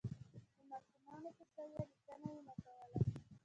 د ماشومانو په سویه لیکنه یې نه کوله.